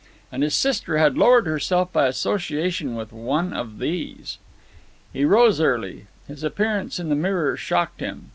And his sister had lowered herself by association with one of these. He rose early. His appearance in the mirror shocked him.